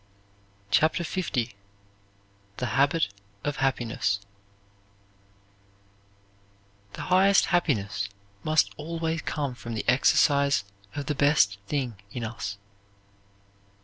CHAPTER L THE HABIT OF HAPPINESS The highest happiness must always come from the exercise of the best thing in us.